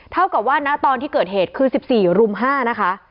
เท่ากับว่าณตอนที่เกิดเหตุคือ๑๔รุม๕นะคะ